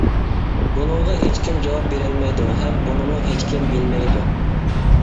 بۇنىڭغا ھېچكىم جاۋاب بېرەلمەيدۇ، ھەم بۇنىمۇ ھېچكىم بىلمەيدۇ.